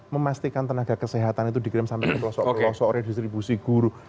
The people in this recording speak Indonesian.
memastikan tenaga kesehatan itu dikirim sampai ke pelosok pelosok redistribusi guru